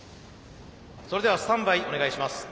それではスタンバイお願いします。